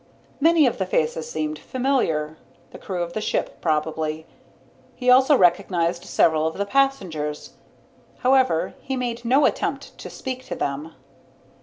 Many of the faces seemed familiar; the crew of the ship, probably. He also recognized several of the passengers. However, he made no attempt to speak to them.